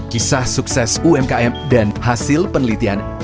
kisah sukses umkm dan hasil penelitian